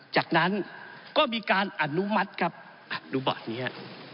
จากนั้นก็มีการอนุมัติครับดูเบาะนี้ฮะ